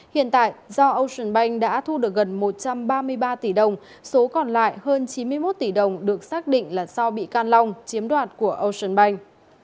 hiện tại do ocean bank đã thu được gần một trăm ba mươi ba tỷ đồng số còn lại hơn chín mươi một tỷ đồng được xác định là do bị can long chiếm đoạt của ocean bank